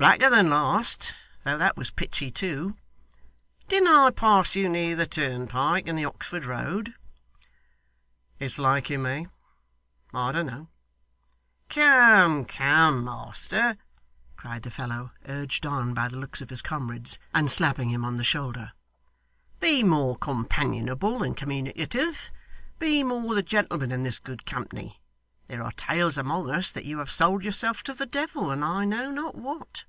'Blacker than last, though that was pitchy too. Didn't I pass you near the turnpike in the Oxford Road?' 'It's like you may. I don't know.' 'Come, come, master,' cried the fellow, urged on by the looks of his comrades, and slapping him on the shoulder; 'be more companionable and communicative. Be more the gentleman in this good company. There are tales among us that you have sold yourself to the devil, and I know not what.